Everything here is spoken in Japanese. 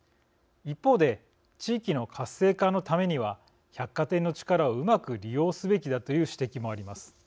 一方で、地域の活性化のためには百貨店の力をうまく利用すべきだという指摘もあります。